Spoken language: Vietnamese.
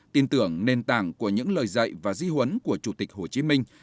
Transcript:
tin tưởng nền tảng của những lời dạy và di huấn của chủ tịch hồ chí minh